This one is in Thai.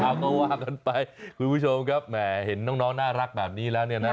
เอาก็ว่ากันไปคุณผู้ชมครับแหมเห็นน้องน่ารักแบบนี้แล้วเนี่ยนะ